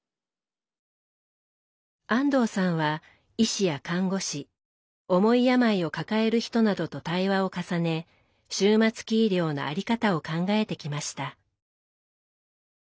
安藤さんは医師や看護師重い病を抱える人などと対話を重ね終末期医療の在り方を考えてきました。